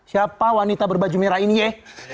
siapa wanita berbaju merah ini eh